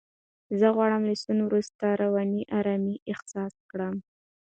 زه غواړم له سونا وروسته رواني آرامۍ احساس کړم.